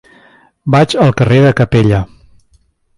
Vaig al carrer de Capella.